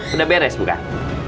udah beres bukan